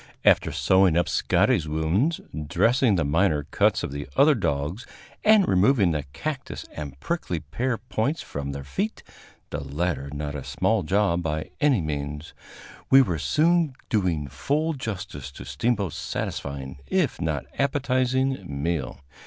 After sewing up Scotty's wounds, dressing the minor cuts of the other dogs and removing the cactus and prickly pear points from their feet (the latter not a small job by any means), we were soon doing full justice to Steamboat's satisfying if not appetizing meal.